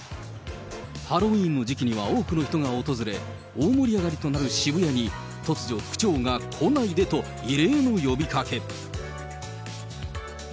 ハロウィーンの時期には多くの人が訪れ、大盛り上がりとなる渋谷に、突如、区長が来ないでと異例の呼びかけ。